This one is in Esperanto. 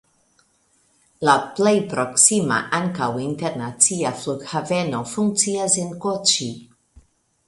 La plej proksima (ankaŭ internacia) flughaveno funkcias en Koĉi.